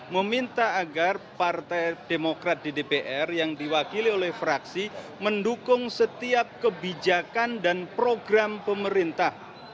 meminta agar partai demokrat di dpr yang diwakili oleh fraksi mendukung setiap kebijakan dan program pemerintah